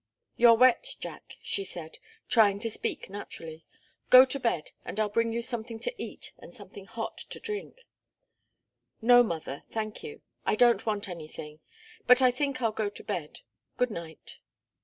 "You're wet, Jack," she said, trying to speak naturally. "Go to bed, and I'll bring you something to eat and something hot to drink." "No, mother thank you. I don't want anything. But I think I'll go to bed. Good night."